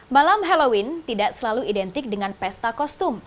malam halloween tidak selalu identik dengan pesta kostum